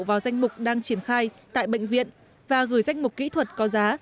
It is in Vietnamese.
vào danh mục đang triển khai tại bệnh viện và gửi danh mục kỹ thuật có giá